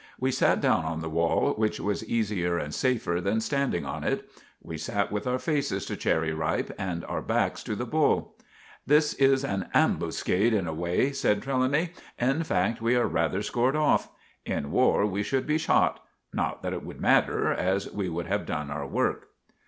We sat down on the wall, which was easier and safer than standing on it. We sat with our faces to Cherry Ripe and our backs to the bull. "This is an ambuscade in a way," said Trelawny. "In fact, we are rather scored off. In war we should be shot. Not that it would matter, as we have done our work.